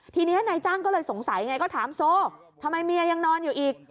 ทีนี้นายจ้างก็เลยสงสัยไงก็ถามโซทำไมเมียยังนอนอยู่อีก